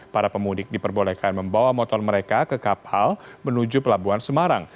para pemudik diperbolehkan membawa motor mereka ke kapal menuju pelabuhan semarang